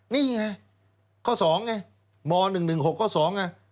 นี่ไงข้อ๒ไงม๑๑๖ข้อ๒ไง